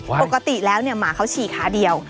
ปกติแล้วเนี่ยหมาเขาฉี่ขาเดียว